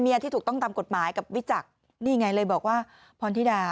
ที่ถูกต้องตามกฎหมายกับวิจักรนี่ไงเลยบอกว่าพรธิดา